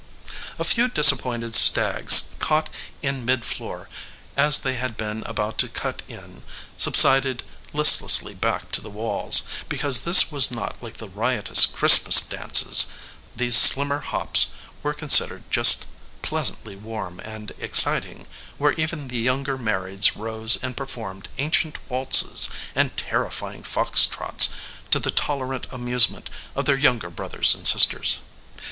A few disappointed stags caught in midfloor as they had been about to cut in subsided listlessly back to the walls, because this was not like the riotous Christmas dances these summer hops were considered just pleasantly warm and exciting, where even the younger marrieds rose and performed ancient waltzes and terrifying fox trots to the tolerant amusement of their younger brothers and sisters.